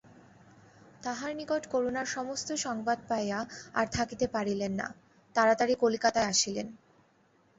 তাহার নিকট করুণার সমস্ত সংবাদ পাইয়া আর থাকিতে পারিলেন না, তাড়াতাড়ি কলিকাতায় আসিলেন।